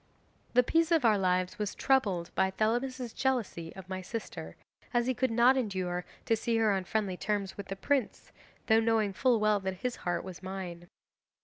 'The peace of our lives was troubled by Thelamis's jealousy of my sister, as he could not endure to see her on friendly terms with the prince, though knowing full well that his heart was mine.